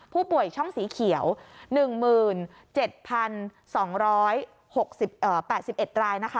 ผู้ป่วยช่องสีเขียว๑๗๒๖๘๑รายนะคะ